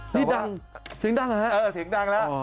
นี่ดังสิงดังแล้วครับ